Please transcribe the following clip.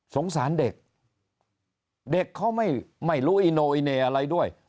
สงสารเด็กเด็กเขาไม่รู้อิโนอิเน่อะไรด้วย